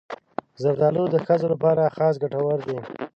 زردالو د ښځو لپاره خاص ګټور دی.